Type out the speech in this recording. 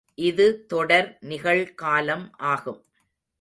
இது தொடர் நிகழ்காலம் ஆகும்.